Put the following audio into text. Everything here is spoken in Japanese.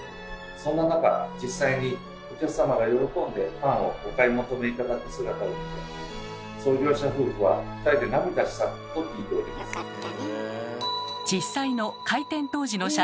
そんな中実際にお客様が喜んでパンをお買い求め頂く姿を見て創業者夫婦は２人で涙したと聞いております。